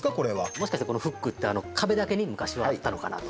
もしかしてこのフックって壁だけに昔はあったのかなと。